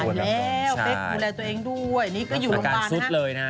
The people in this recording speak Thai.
ตายแล้วแป๊กทำลายตัวเองด้วยนี่ก็อยู่โรงพยาบาลนะฮะ